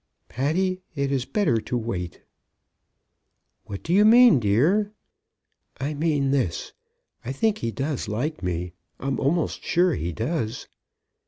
"Patty, it is better to wait." "What do you mean, dear?" "I mean this. I think he does like me; I'm almost sure he does."